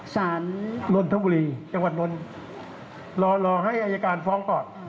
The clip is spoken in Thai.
สารนนทบุรีจังหวัดนนท์รอรอให้อายการฟ้องก่อน